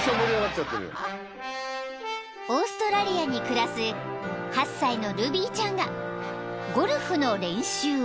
［オーストラリアに暮らす８歳のルビーちゃんがゴルフの練習を］